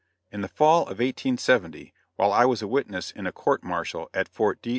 In the fall of 1870, while I was a witness in a court martial at Fort D.